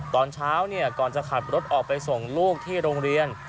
ตอนเช้าก่อนจะขับรถออกไปส่งลูกที่โรงเรียน